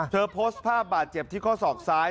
โพสต์ภาพบาดเจ็บที่ข้อศอกซ้าย